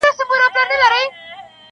نه دي زور نه دي دولت سي خلاصولای-